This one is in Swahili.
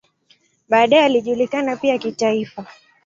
Baadaye alijulikana pia kitaifa.